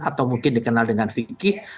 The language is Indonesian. atau mungkin dikenal dengan fikih